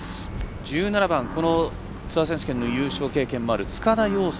１７番このツアー選手権の優勝経験もある塚田陽亮。